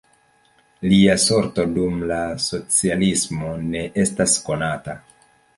Lia sorto dum la socialismo ne estas konata.